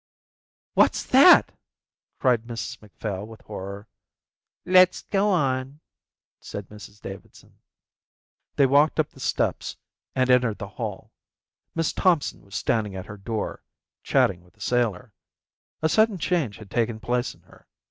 "What's that?" cried Mrs Macphail with horror. "Let's go on," said Mrs Davidson. They walked up the steps and entered the hall. Miss Thompson was standing at her door, chatting with a sailor. A sudden change had taken place in her.